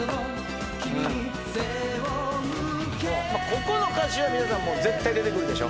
ここの歌詞は皆さんもう絶対出てくるでしょ？